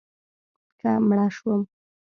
که مړه شوم